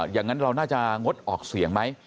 อย่างนั้นเราน่าจะงดออกเสียงไหม